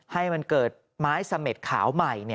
ให้มันเกิดไม้เสม็ดขาวใหม่